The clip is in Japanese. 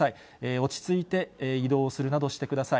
落ち着いて移動するなどしてください。